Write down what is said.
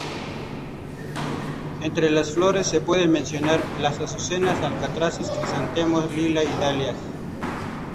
Entre las flores se pueden mencionar: las azucenas, alcatraces, crisantemos lila y dalias.